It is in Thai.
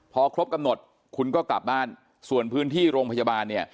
พอครบกำหนดคุณก็กลับบ้านส่วนพื้นที่โรงพยาบาลเนี่ย